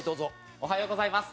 おはようございます。